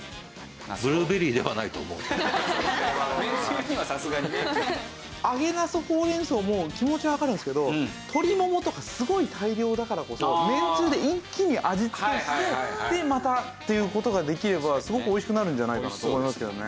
めんつゆにはさすがにね。揚げなすほうれん草も気持ちはわかるんですけど鶏ももとかすごい大量だからこそめんつゆで一気に味付けしてでまたっていう事ができればすごく美味しくなるんじゃないかなと思いますけどね。